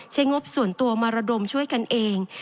งบส่วนตัวมาระดมช่วยกันเอง